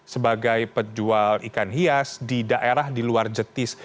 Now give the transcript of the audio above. sebagai penjual ikan hias di daerah di luar jetis